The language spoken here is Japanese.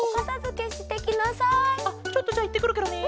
あっちょっとじゃあいってくるケロね。